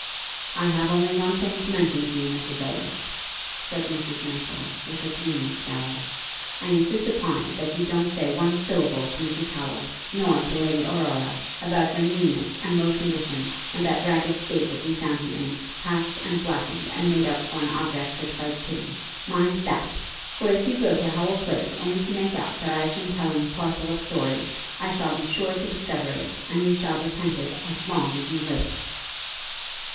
'I have only one thing to mention to you, Mrs Ellis,' said Mrs Maple, with a gloomy scowl; 'I insist upon it that you don't say one syllable to Mrs Howel, nor to Lady Aurora, about your meanness, and low condition, and that ragged state that we found you in, patched, and blacked, and made up for an object to excite pity. Mind that! for if you go to Howel Place only to make out that I have been telling a parcel of stories, I shall be sure to discover it, and you shall repent it as long as you live.'